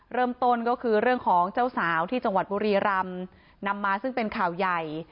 เริ่มต้นก็คือเรื่องของเจ้าสาวที่จังหวัดบุรีรำนำมาซึ่งเป็นข่าวใหญ่